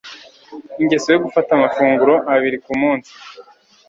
Ingeso yo gufata amafunguro abiri ku munsi